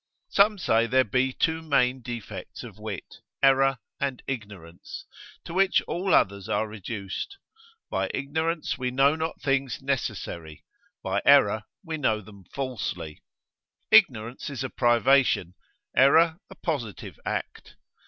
Some say there be two main defects of wit, error and ignorance, to which all others are reduced; by ignorance we know not things necessary, by error we know them falsely. Ignorance is a privation, error a positive act.